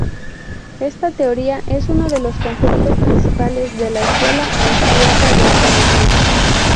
Esta teoría es uno de los conceptos principales de la Escuela Austriaca de Economía.